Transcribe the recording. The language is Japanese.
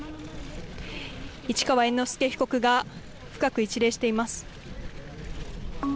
市川猿之助被告が、深く一礼しています。